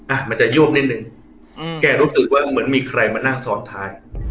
อ่ะมันจะยวกนิดนึงอืมแกรู้สึกว่าเหมือนมีใครมานั่งซ้อนท้าย